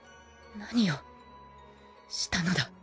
何をしたのだ？